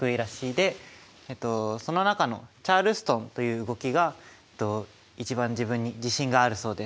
でその中のチャールストンという動きが一番自分に自信があるそうです。